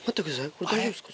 これ大丈夫ですか？